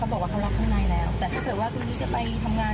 บอกว่าเขาล็อกข้างในแล้วแต่ถ้าเกิดว่าตรงนี้จะไปทำงาน